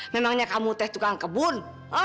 memangnya kamu itu kan kebun